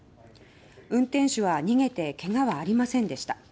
運転手は逃げてけがはありませんでした。